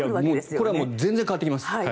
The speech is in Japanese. これは全然変わってきます。